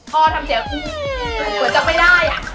พ่อทำเสียขึ้นเหมือนจะไม่ได้อ่ะ